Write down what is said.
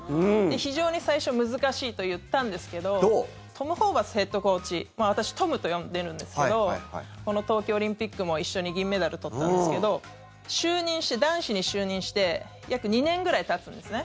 非常に最初難しいと言ったんですけどトム・ホーバスヘッドコーチ私、トムと呼んでるんですけどこの東京オリンピックも一緒に銀メダル取ったんですけど男子に就任して約２年ぐらいたつんですね。